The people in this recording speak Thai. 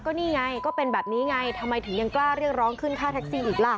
ก็นี่ไงก็เป็นแบบนี้ไงทำไมถึงยังกล้าเรียกร้องขึ้นค่าแท็กซี่อีกล่ะ